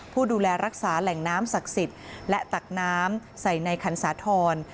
ผู้ดูแลรักษาแหล่งน้ำศักดิ์สิทธิ์และตักน้ำใส่ในขันสาธรณ์